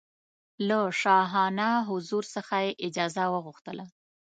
له شاهانه حضور څخه یې اجازه وغوښتله.